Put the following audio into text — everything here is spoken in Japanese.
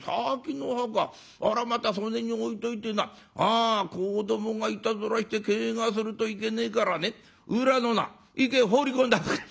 あらまたそでに置いといてな子どもがいたずらしてけがするといけねえからね裏のな池へ放り込んだ」。